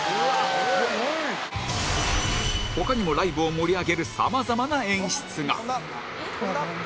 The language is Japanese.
他にもライブを盛り上げるさまざまな演出が！